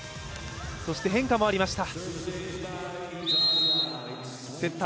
そして変化もありました。